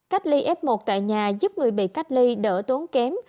cách ly f một tại nhà giúp người bị cách ly đỡ tốn kém